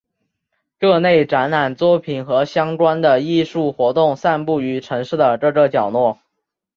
各类展览作品和相关的艺术活动散布于城市的各个角落。